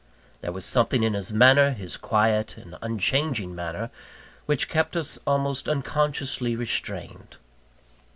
There was something in his manner, his quiet and unchanging manner, which kept us almost unconsciously restrained.